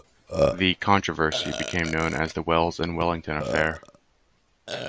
The controversy became known as the Wells and Wellington affair.